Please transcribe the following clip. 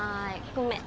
ごめん。